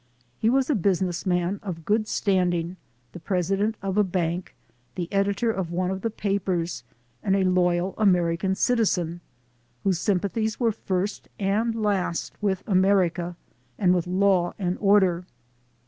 He was a business man of good standing, the president of a bank, the editor of one of the papers, and a loyal American citizen, whose sympathies were first and last with America and with law and order.